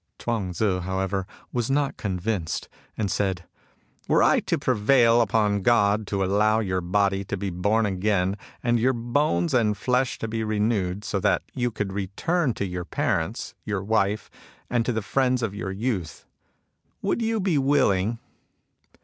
Chuang Tzii, however, was not convinced, and said :" Were I to prevail upon God to allow your body to be bom again, and your bones and flesh to be renewed, so that you could return to your parents, to your wife, and to the friends of your youth, — ^would you be willing